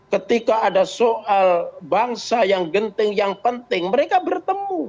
ketika ada soal bangsa yang genting yang penting mereka bertemu